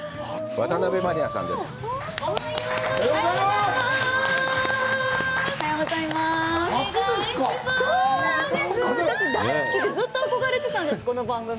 私、大好きで、ずっと憧れてたんです、この番組。